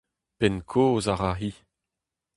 Penn-kozh a ra hi.